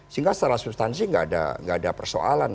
sehingga setelah substansi tidak ada persoalan